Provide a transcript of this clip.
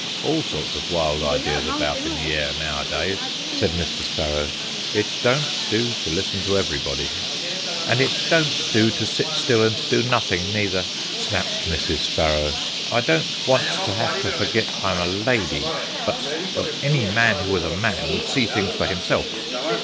"All sorts of wild ideas about in the air nowadays," said Mr. Sparrow, "it don't do to listen to everybody." "And it don't do to sit still and do nothing neither," snapped Mrs. Sparrow. "I don't want to have to forget I'm a lady, but—well, any man who was a man would see things for himself."